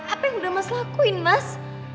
apa yang udah mas lakuin mas